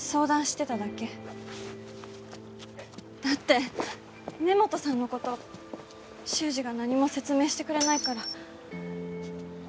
だって梅本さんの事衆二が何も説明してくれないから。